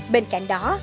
bên cạnh đó